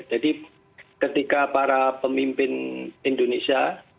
jadi ketika para pemimpin indonesia